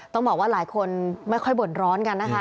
ต้องบอกว่าหลายคนไม่ค่อยบ่นร้อนกันนะคะ